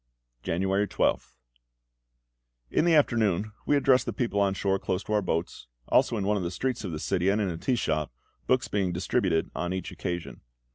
January 12th. In the afternoon we addressed the people on shore close to our boats, also in one of the streets of the city, and in a tea shop, books being distributed on each occasion.